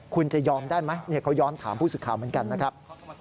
คุณจะยอมได้ไหมเขาย้อนถามผู้สื่อข่าวเหมือนกันนะครับ